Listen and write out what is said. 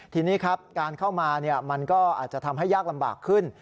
ทีนี้ครับการเข้ามามันก็อาจจะทำให้ยากลำบากขึ้น